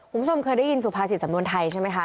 คุณผู้ชมเคยได้ยินสุภาษิตสำนวนไทยใช่ไหมคะ